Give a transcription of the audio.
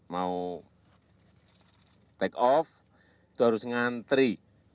mau take off terus ngantri